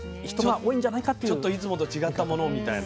ちょっといつもと違ったものをみたいな。